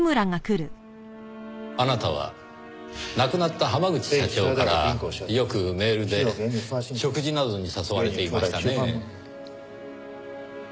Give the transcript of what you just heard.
あなたは亡くなった濱口社長からよくメールで食事などに誘われていましたね？